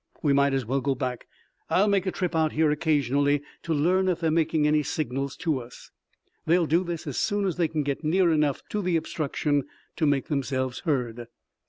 We might as well go back. I'll make a trip out here occasionally to learn if they are making any signals to us. They will do this as soon as they can get near enough to the obstruction to make themselves heard."